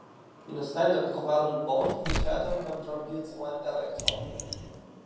In a standard covalent bond each atom contributes one electron.